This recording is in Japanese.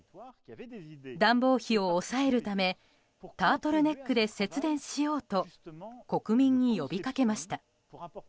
暖房費を抑えるためタートルネックで節電しようと国民に呼びかけました。